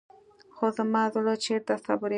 خو زما زړه چېرته صبرېده.